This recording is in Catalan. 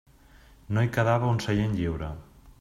No hi quedava un seient lliure.